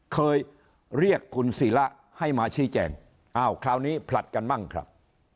เคยเรียกคุณศิระให้มาชี้แจงอ้าวคราวนี้ผลัดกันมั่งครับ